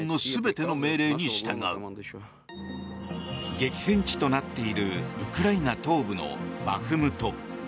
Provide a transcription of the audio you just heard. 激戦地となっているウクライナ東部のバフムト。